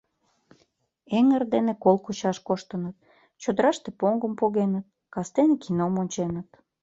Эҥыр дене кол кучаш коштыныт, чодраште поҥгым погеныт, кастене кином онченыт...